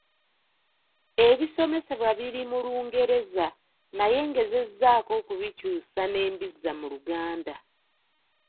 Ebisomesebwa biri mu Lungereza naye ngezezzaako okubikyusa ne mbizza mu Luganda.